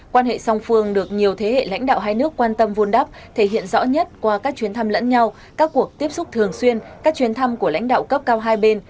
quan hệ song phương được nhiều thế hệ lãnh đạo hai nước quan tâm vun đắp thể hiện rõ nhất qua các chuyến thăm lẫn nhau các cuộc tiếp xúc thường xuyên các chuyến thăm của lãnh đạo cấp cao hai bên